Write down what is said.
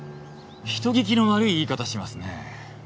人聞きの悪い言い方しますね。